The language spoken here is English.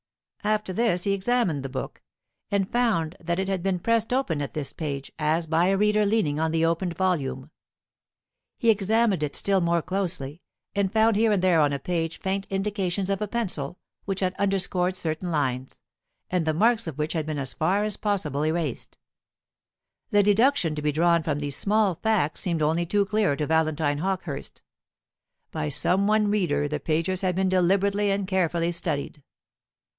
After this he examined the book, and found that it had been pressed open at this page, as by a reader leaning on the opened volume. He examined it still more closely, and found here and there on the page faint indications of a pencil, which had under scored certain lines, and the marks of which had been as far as possible erased. The deduction to be drawn from these small facts seemed only too clear to Valentine Hawkehurst. By some one reader the pages had been deliberately and carefully studied.